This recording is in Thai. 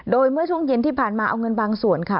โดยเมื่อช่วงเย็นที่ผ่านมาเอาเงินบางส่วนค่ะ